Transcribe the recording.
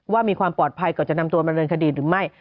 ว่ามีความปลอดภัยก่อนจะนำตัวมาเดินคดีหรือไม่